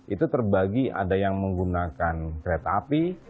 itu terbagi ada yang menggunakan kereta api